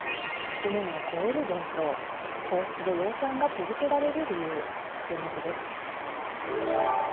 １００年を超える伝統皇室で養蚕が続けられる理由、注目です。